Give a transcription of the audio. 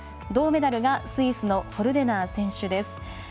銅メダルが、スイスのホルデナー選手です。